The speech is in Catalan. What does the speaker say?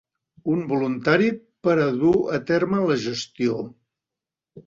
Un voluntari per a dur a terme la gestió.